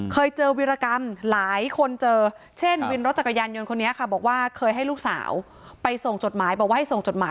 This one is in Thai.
เคยเจอวิรกรรมหลายคนเจอเช่นวินรถจักรยานยนต์คนนี้บอกว่า